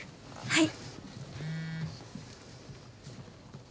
はい！